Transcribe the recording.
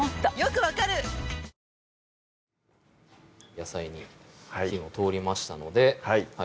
野菜に火も通りましたのではい